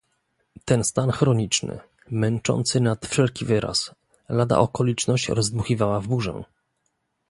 "Ten stan chroniczny, męczący nad wszelki wyraz, lada okoliczność rozdmuchiwała w burzę."